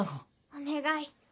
お願い。